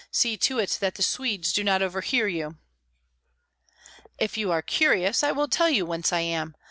See to it that the Swedes do not overhear you." "If you are curious, I will tell you whence I am.